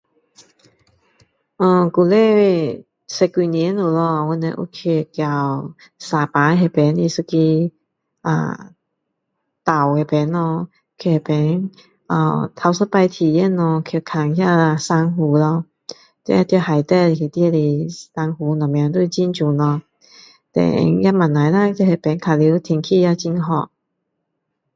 以前，十多年了咯，我们有去到沙巴那边的一个 uhm 岛那边咯，去那边 ahh 头一次体验咯，去看那珊瑚咯，在在海底里面的珊瑚什么都是很美咯。Then 也不错啦，在那边玩耍天气也很好。